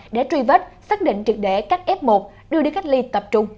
để truy vết xác định trực để các f một đưa đi cách ly tập trung